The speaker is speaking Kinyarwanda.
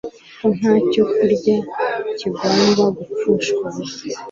ko nta cyokurya kigomba gupfushwa ubusa.